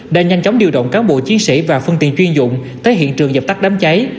đã nhanh chóng điều động cán bộ chiến sĩ và phương tiện chuyên dụng tới hiện trường dập tắt đám cháy